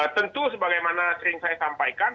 tentu sebagaimana sering saya sampaikan